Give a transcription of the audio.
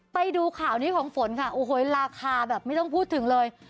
ไปดูข่าวนี้ของฝนค่ะโอ้โหราคาแบบไม่ต้องพูดถึงเลย